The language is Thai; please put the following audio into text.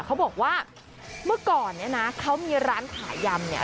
เขาบอกว่าเมื่อก่อนเนี่ยนะเขามีร้านขายยำเนี่ย